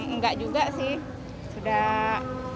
enggak juga sih